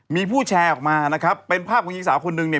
มีผู้แชร์ออกมานะครับเป็นภาพกับอีกสามคนหนึ่งใน